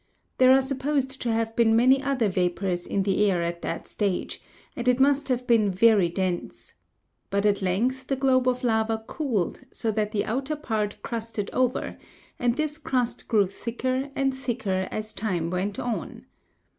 There are supposed to have been many other vapors in the air at that stage, and it must have been very dense. But at length the globe of lava cooled so that the outer part crusted over, and this crust grew thicker and thicker as time went on.